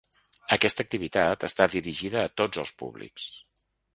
Aquesta activitat està dirigida a tots els públics.